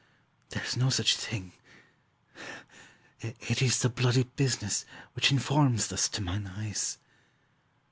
There's no such thing: It is the bloody business, which informs Thus to mine eyes.